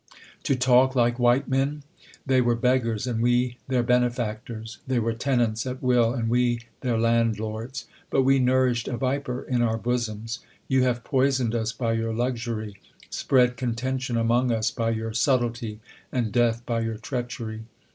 To talk like ^Vhite Men, they were beggars, and we their ben efactors : they were tenants at will, and we their land lords. But we nourished a viper in our bosoms. You have poisoned us by your luxury ; spread contention among us by your subtlety, and death by your treach ery.